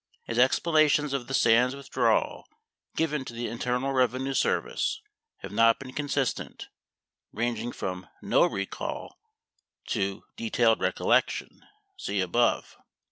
His explanations of the Sands withdrawal given to the Internal Revenue Service have not been consistent, ranging from no recall to detailed recollection (see above)